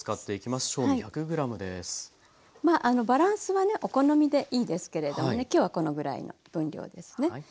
まあバランスはねお好みでいいですけれどもね今日はこのぐらいの分量ですね。